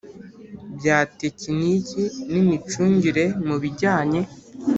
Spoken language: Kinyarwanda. bya tekiniki n imicungire mu bijyanye